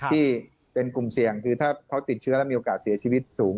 ที่เป็นกลุ่มเสี่ยงคือถ้าเขาติดเชื้อแล้วมีโอกาสเสียชีวิตสูง